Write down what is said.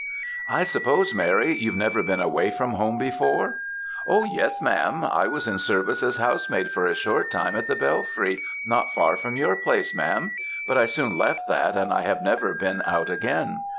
"'I suppose, Mary, you've never been away from home before?' "'Oh, yes, Ma'am; I was in service as housemaid for a short time at the Bellfry, not far from your place, Ma'am; but I soon left that, and I have never been out again.'